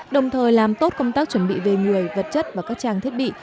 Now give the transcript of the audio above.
đồng thời làm tốt công tác chuẩn bị về người vật chất và các trang thiết bị